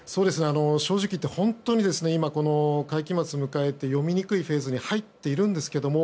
正直言って本当に今、会期末を迎えて読みにくいフェーズに入っているんですけれども。